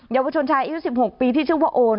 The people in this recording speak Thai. ยาวชนชายอายุ๑๖ปีที่ชื่อว่าโอน